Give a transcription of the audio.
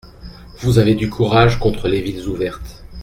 Vous avez du courage contre les villes ouvertes.